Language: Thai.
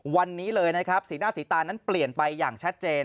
วันนี้เลยนะครับสีหน้าสีตานั้นเปลี่ยนไปอย่างชัดเจน